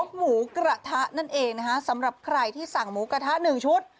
หมูกระทะนั่นเองนะคะสำหรับใครที่สั่งหมูกระทะหนึ่งชุด